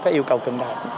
cái yêu cầu cần đạt